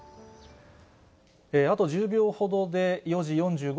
あと１０秒ほどで、４時４５